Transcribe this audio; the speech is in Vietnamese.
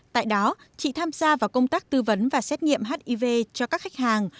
tại đó chị tham gia vào công tác tư vấn và xét nghiệm hiv cho các khách hàng